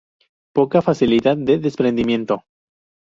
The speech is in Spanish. Poca facilidad de desprendimiento.